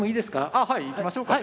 あはいいきましょうかここで。